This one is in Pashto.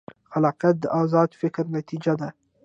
خلاقیت د ازاد فکر نتیجه ده.